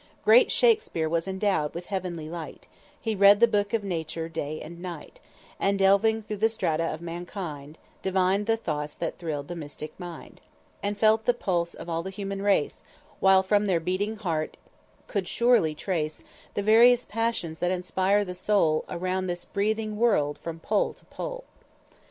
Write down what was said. _Great Shakspere was endowed with heavenly light; He read the book of Nature day and night, And delving through the strata of mankind Divined the thoughts that thrilled the mystic mind, And felt the pulse of all the human race, While from their beating heart could surely trace The various passions that inspire the soul Around this breathing world from pole to pole!